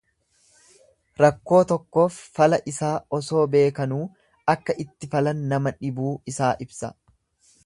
Rakkoo tokkoof fala isaa osoo beekanuu akka itti falan nama dhibuu isaa ibsa.